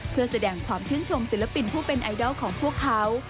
เพื่อแสดงความชื่นชมศิลปินผู้เป็นไอดอลของพวกเขา